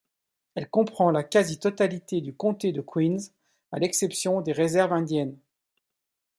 Elle comprend la quasi-totalité du comté de Queens à l'exception des réserves indiennes.